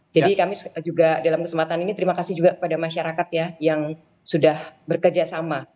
jadi kami juga dalam kesempatan ini terima kasih juga kepada masyarakat ya yang sudah bekerja sama